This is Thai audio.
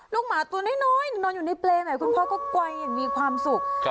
หมาตัวน้อยนอนอยู่ในเปรย์คุณพ่อก็ไกลอย่างมีความสุข